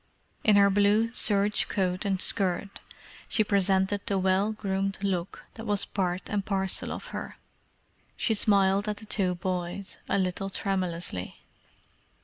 In her blue serge coat and skirt she presented the well groomed look that was part and parcel of her. She smiled at the two boys, a little tremulously.